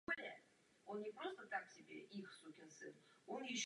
Správním městem okresu je Medicine Lodge.